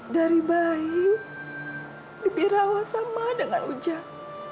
dari bayi bibirawa sama dengan ujang